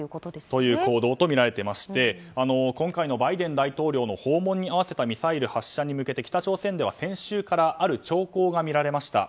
という行動とみられていまして今回のバイデン大統領の訪問に合わせたミサイル発射に向けて北朝鮮では先週からある兆候が見られました。